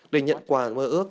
để nhận quà mơ ước